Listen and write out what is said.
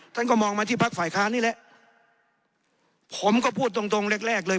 ท่านก็มองมาที่พักฝ่ายค้านนี่แหละผมก็พูดตรงตรงแรกแรกเลย